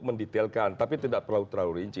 mendetailkan tapi tidak terlalu terlalu rinci